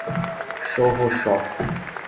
Chorrochó